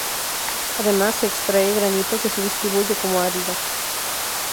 Además se extrae granito que se distribuye como árido.